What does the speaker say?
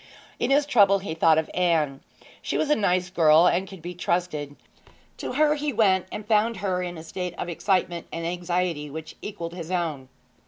In his trouble he thought of Anne. She was a nice girl and could be trusted. To her he went, and found her in a state of excitement and anxiety which equalled his own.